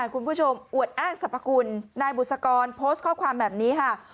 คุณผู้ชมอวดอ้างสรรพคุณนายบุษกรโพสต์ข้อความแบบนี้ค่ะ